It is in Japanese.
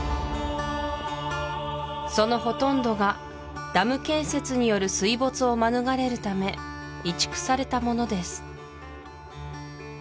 そのほとんどがダム建設による水没を免れるため移築されたものです